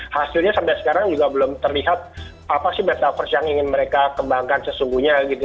hasilnya sampai sekarang juga belum terlihat apa sih bataverse yang ingin mereka kembangkan sesungguhnya gitu